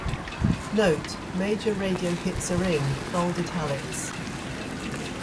"Note: Major radio hits are in" bold italics.